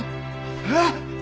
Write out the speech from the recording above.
えっ！